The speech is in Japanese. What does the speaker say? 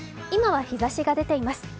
今は日ざしが出ています。